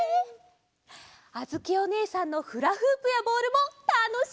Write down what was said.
あづきおねえさんのフラフープやボールもたのしみ！